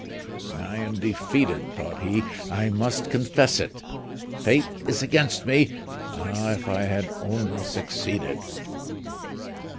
"I am defeated," thought he. "I must confess it. Fate is against me! Ah! if I had only succeeded!"